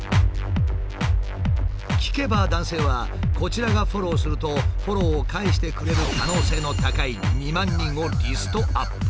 聞けば男性はこちらがフォローするとフォローを返してくれる可能性の高い２万人をリストアップ。